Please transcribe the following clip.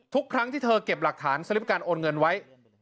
ทุกครั้งที่เธอเก็บหลักฐานสลิปการโอนเงินไว้